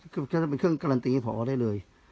คือจะเป็นเครื่องการันตีให้พอได้เลย